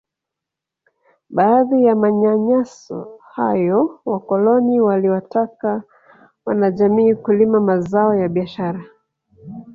Baadhi ya manyanyaso hayo wakoloni waliwataka wanajamii kulima mazao ya biashara